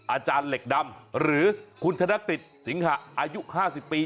อาจารย์เหล็กดำหรือคุณธนกฤษสิงหะอายุ๕๐ปี